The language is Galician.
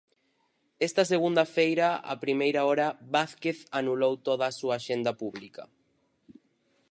Esta segunda feira a primeira hora Vázquez anulou toda a súa axenda pública.